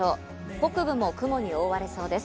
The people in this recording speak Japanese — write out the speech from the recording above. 北部も雲に覆われそうです。